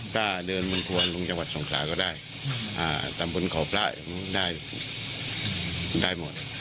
เราก็ลงทะเลอะไรอย่างนี้